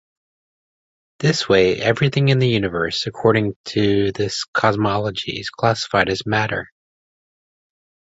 This way everything in the universe according to this cosmology is classified as matter.